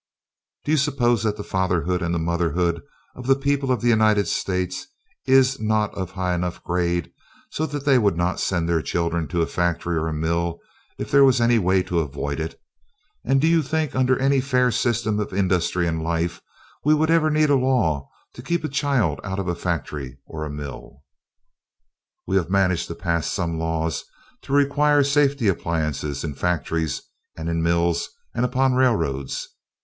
Do you suppose that the fatherhood and the motherhood of the people of the United States is not of a high enough grade so they would not send their children to a factory or a mill if there was any way to avoid it? And do you think under any fair system of industry and life we would ever need a law to keep a child out of a factory or a mill? We have managed to pass some laws to require safety appliances in factories and in mills and upon railroads.